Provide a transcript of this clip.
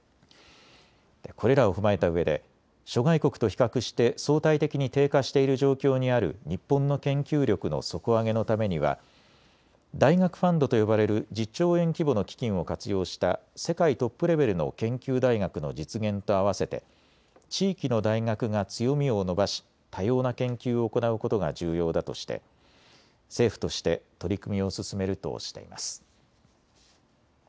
これらを踏まえたうえで諸外国と比較して相対的に低下している状況にある日本の研究力の底上げのためには大学ファンドと呼ばれる１０兆円規模の基金を活用した世界トップレベルの研究大学の実現とあわせて地域の大学が強みを伸ばし多様な研究を行うことが重要だとして政府として取り組みを進めるとしています。